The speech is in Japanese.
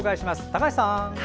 高橋さん。